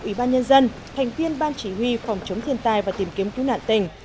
ủy ban nhân dân thành viên ban chỉ huy phòng chống thiên tài và tìm kiếm cứu nạn tình